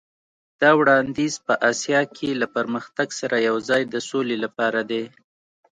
دا وړاندیز په اسیا کې له پرمختګ سره یو ځای د سولې لپاره دی.